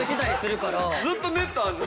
ずっとネットあるの？